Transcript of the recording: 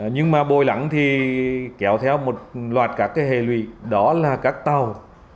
nhưng mà bồi lắng thì kéo theo một loạt các hề lụy đó là các tàu